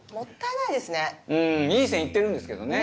いい線行ってるんですけどね。